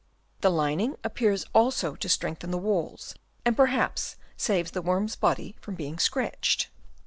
The lining appears also to strengthen the walls, and perhaps saves the w r orm's body from being scratched.